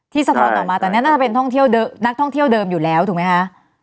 ที่สะท้อนออกมาแต่น่าจะเป็นนักท่องเที่ยวเดิมอยู่แล้วถูกไหมคะ